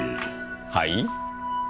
はい？